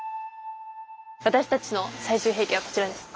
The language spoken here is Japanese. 私たちの最終兵器はこちらです。